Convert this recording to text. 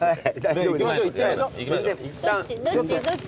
どっち？